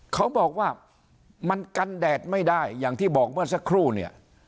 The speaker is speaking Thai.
เขาบอกว่ามันกันแดดไม่ได้อย่างที่บอกเมื่อสักครู่เนี่ย